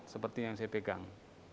seperti yang saya pegang